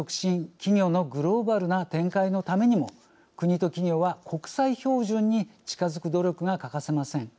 企業のグローバルな展開のためにも国と企業は国際標準に近づく努力が欠かせません。